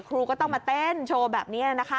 ครูก็ต้องมาเต้นโชว์แบบนี้นะคะ